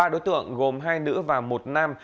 ba đối tượng gồm hai nữ và một nam